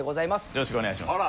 よろしくお願いします。